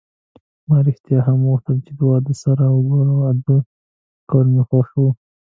ما ریښتیا هم غوښتل چې واده سره وکړو، واده کول مې خوښ و.